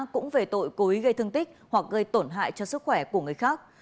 cũng về tội cố ý gây thương tích hoặc gây tổn hại cho sức khỏe của người khác